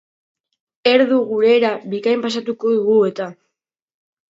Erdu gurera bikain pasatuko dugu eta.